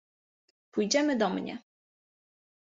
— Pójdziemy do mnie.